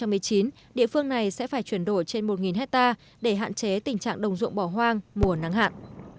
năm hai nghìn một mươi chín địa phương này sẽ phải chuyển đổi trên một hectare để hạn chế tình trạng đồng ruộng bỏ hoang mùa nắng hạn